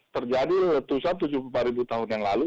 terjadi letusan tujuh puluh empat ribu tahun yang lalu